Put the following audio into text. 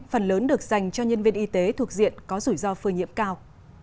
phần lớn được dành cho nhân viên y tế thuộc diện có rủi ro phơi nhiễm cao